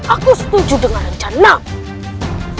aku setuju dengan rencanamu